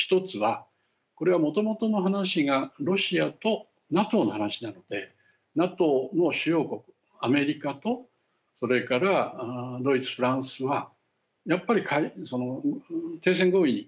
１つは、これはもともとの話がロシアとＮＡＴＯの話なのでＮＡＴＯの主要国、アメリカとそれからドイツ、フランスはやっぱり停戦合意